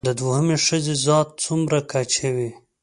د دوهمې ښځې ذات څومره کچه وي